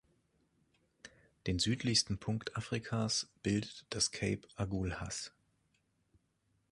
Den südlichsten Punkt Afrikas bildet das Cape Agulhas.